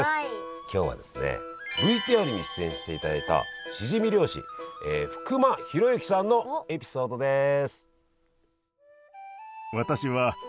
今日はですねＶＴＲに出演していただいたしじみ漁師福間弘幸さんのエピソードです。